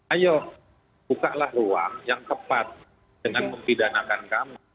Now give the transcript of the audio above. ayo bukalah ruang yang tepat dengan mempidanakan kami